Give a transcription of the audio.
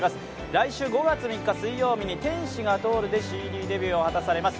来週５月３日に水曜日に「天使が通る」でＣＤデビューを果たされます